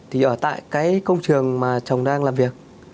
thì ở tại cái công trường mà chồng đang làm việc